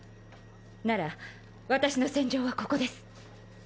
なら私の戦場はここです。